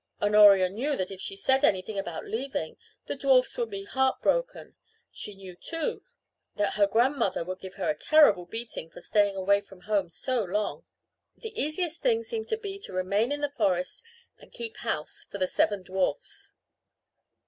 Honoria knew that if she said anything about leaving the dwarfs they would be heartbroken. She knew, too, that her grandmother would give her a terrible beating for staying away from home so long. The easiest thing seemed to be to remain in the forest and keep house for the seven dwarfs.